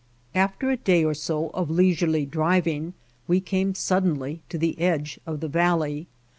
After a day or so of leisurely driving we came suddenly to the edge of the valley.